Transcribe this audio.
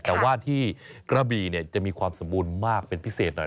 แต่ว่าที่กระบี่จะมีความสมบูรณ์มากเป็นพิเศษหน่อย